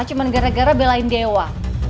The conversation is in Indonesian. cuma gara gara belain dewa